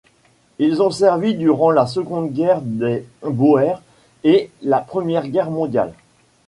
Ils ont servi durant la Seconde Guerre des Boers et la Première Guerre mondiale.